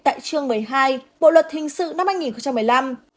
tại trường một mươi hai bộ luật thình sự năm hai nghìn một mươi năm